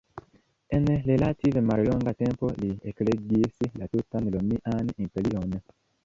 En relative mallonga tempo li ekregis la tutan Romian Imperion.